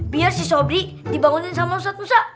biar si sobri dibangunin sama ustadz musa